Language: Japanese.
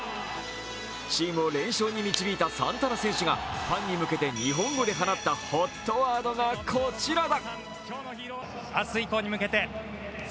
チームを連勝に導いたサンタナ選手がファンに向けて日本語で放ったＨＯＴワードがこちらだ。